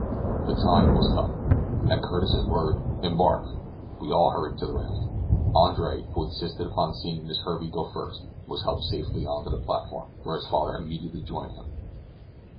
The time was come. At Curtis's word, "Embark!" we all hurried to the raft. Andre, who insisted upon seeing Miss Herbey go first, was helped safely on to the platform, where his father immediately joined him.